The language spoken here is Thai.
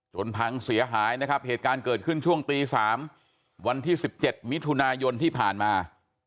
พังเสียหายนะครับเหตุการณ์เกิดขึ้นช่วงตี๓วันที่๑๗มิถุนายนที่ผ่านมา